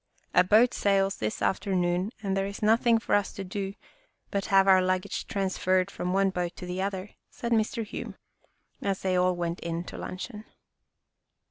" A boat sails this afternoon and there is noth ing for us to do but have our luggage trans ferred from one boat to the other," said Mr. Hume, as they all went in to luncheon.